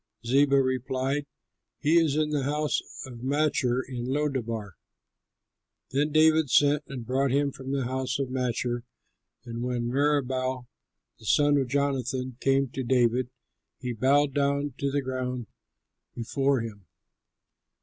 Ziba replied, "He is in the house of Machir in Lodebar." Then David sent and brought him from the house of Machir; and when Meribaal the son of Jonathan came to David, he bowed down to the ground before him.